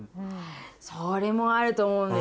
それもあると思うんです。